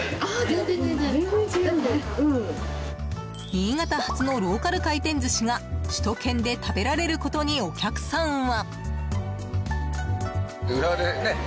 新潟発のローカル回転寿司が首都圏で食べられることにお客さんは。